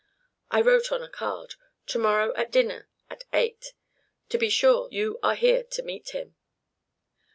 I wrote on a card, 'To morrow at dinner, at eight;' so be sure you are here to meet him."